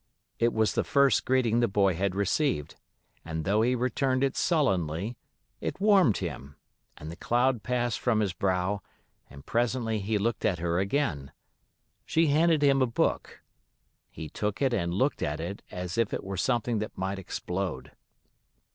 It was the first greeting the boy had received, and though he returned it sullenly, it warmed him, and the cloud passed from his brow and presently he looked at her again. She handed him a book. He took it and looked at it as if it were something that might explode.